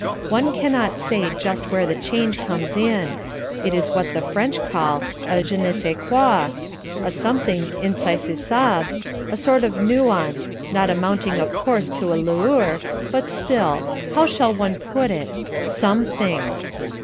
One cannot say just where the change comes in. It is what the French call a je ne sais quoi, a something insaisissable, a sort of nuance, not amounting of course to a lueur, but still, how shall one put it, SOMETHING.